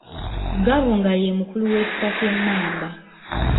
Gabunga ye mukulu w’ekika ky’e Mmamba.